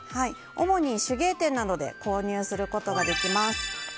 主に手芸店などで購入することができます。